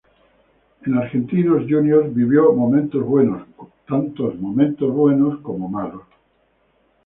En Argentinos Juniors vivió momentos buenos como malos.